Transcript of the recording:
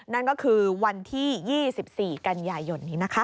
นั่นก็คือวันที่๒๔กันยายนนี้นะคะ